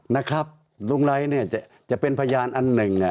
นะครับลุงไร้เนี่ยจะเป็นพยานอันหนึ่งเนี่ย